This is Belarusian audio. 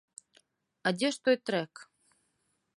А дзе ж той трэк?